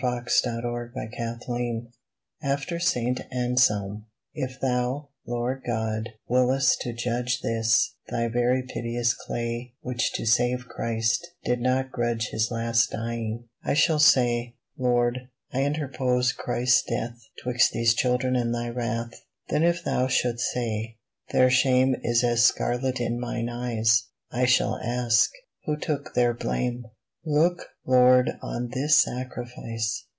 MEDIATION 47 MEDIATION (After St Anselm) IF Thou, Lord God, wiliest to judge This, Thy very piteous clay Which to save Christ did not grudge His last dying, I shall say : Lord, I interpose Christ's death 'Twixt these children and Thy wrath. Then if Thou shouldst say : Their shame Is as scarlet in Mine eyes I shall ask : Who took their blame ? Look, Lord, on this Sacrifice